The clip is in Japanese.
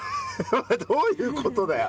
どういうことだよ。